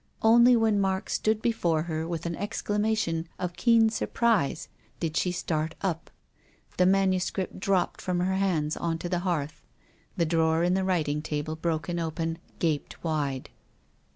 Only when Mark stood before her with an exclamation of keen surprise did she start up. The manuscript dropped from her hands on to the hearth. The drawer in the writing table, broken open, gaped wide.